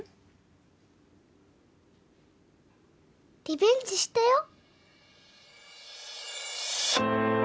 リベンジしたよ。